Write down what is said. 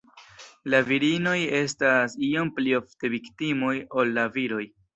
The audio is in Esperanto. La virinoj estas iom pli ofte viktimoj ol la viroj.